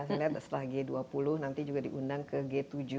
saya lihat setelah g dua puluh nanti juga diundang ke g tujuh